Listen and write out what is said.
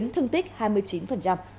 thương tích hai mươi chín